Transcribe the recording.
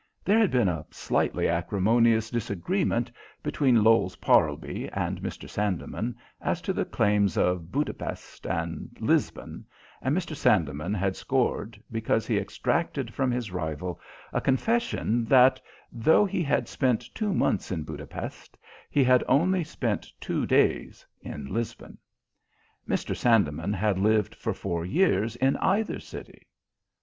There had been a slightly acrimonious disagreement between Lowes Parlby and Mr. Sandeman as to the claims of Budapest and Lisbon, and Mr. Sandeman had scored because he extracted from his rival a confession that, though he had spent two months in Budapest, he had only spent two days in Lisbon. Mr. Sandeman had lived for four years in either city.